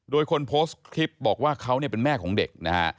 โดยคนโพสต์คลิปบอกว่าเขาเนี่ยเป็นแม่ของเด็กนะฮะ